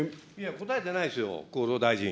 答えてないですよ、厚労大臣。